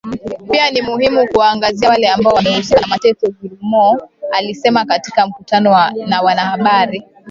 pia ni muhimu kuwaangazia wale ambao wamehusika na mateso Gilmore alisema katika mkutano na wanahabari